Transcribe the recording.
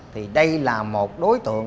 thì đây là một đối tượng